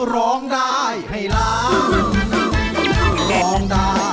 ร้องได้ให้ล้าง